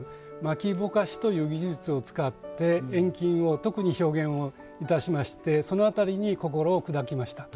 蒔きぼかしという技術を使って遠近を特に表現をいたしましてその辺りに心を砕きました。